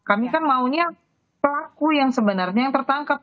kami kan maunya pelaku yang sebenarnya yang tertangkap